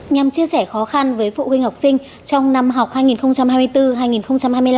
nhằm chia sẻ khó khăn với phụ huynh học sinh trong năm học hai nghìn hai mươi bốn hai nghìn hai mươi năm